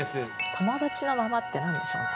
「友達のまま」って何でしょうね。